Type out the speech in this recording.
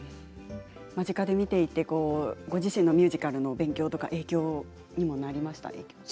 間近で見ていてご自身のミュージカルの勉強とか影響もされましたか？